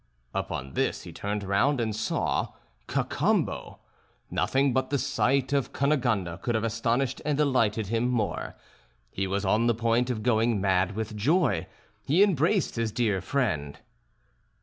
Upon this he turned round and saw Cacambo! Nothing but the sight of Cunegonde could have astonished and delighted him more. He was on the point of going mad with joy. He embraced his dear friend.